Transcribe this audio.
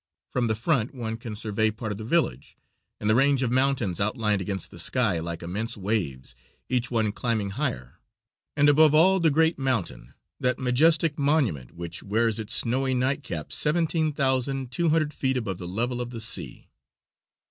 From the front one can survey part of the village, and the range of mountains outlined against the sky like immense waves, each one climbing higher, and above all the great mountain, that majestic monument which wears its snowy nightcap seventeen thousand two hundred feet above the level of the sea.